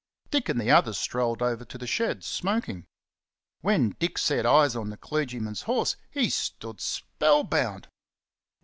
Dick and the others strolled over to the shed, smoking. When Dick set eyes on the clergyman's horse he stood spell bound!